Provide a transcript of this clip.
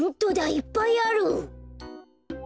いっぱいある！